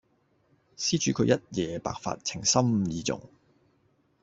施主佢一夜白髮，情深義重